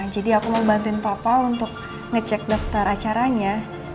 jadi aku mau bantuin papa untuk ngecek daftar acaranya